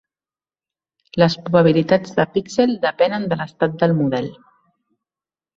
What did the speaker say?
Les probabilitats de píxel depenen de l'estat del model.